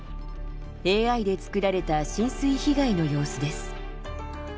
ＡＩで作られた浸水被害の様子です。